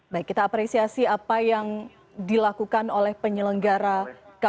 baik kita apresiasi apa yang dilakukan oleh penyelenggara kpu